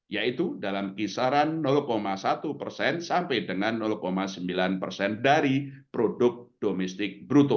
yaitu dalam kisaran satu sampai dengan sembilan dari produk domestik berasal